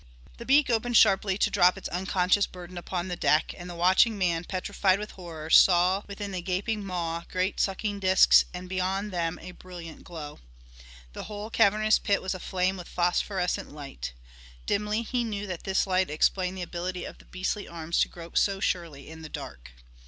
The beak opened sharply to drop its unconscious burden upon the deck, and the watching man, petrified with horror, saw within the gaping maw great sucking discs and beyond them a brilliant glow. The whole cavernous pit was aflame with phosphorescent light. Dimly he knew that this light explained the ability of the beastly arms to grope so surely in the dark.